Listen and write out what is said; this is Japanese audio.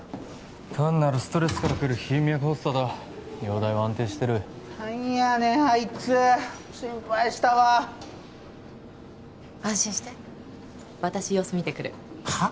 単なるストレスからくる頻脈発作だ容体は安定してる何やねんあいつ心配したわ安心して私様子見てくるはっ？